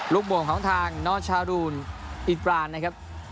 ลุกหม่วงของทางนครชาดูนอิตรานนะครับ